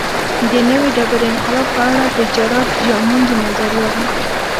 د نوې ډبرې انقلاب په اړه د جراډ ډیامونډ نظریه ده